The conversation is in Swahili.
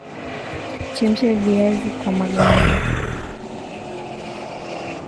chemsha viazi kwa maganda